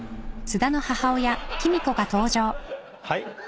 はい？